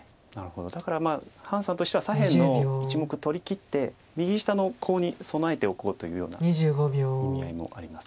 だから潘さんとしては左辺の１目取りきって右下のコウに備えておこうというような意味合いもあります。